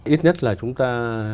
ít nhất là chúng ta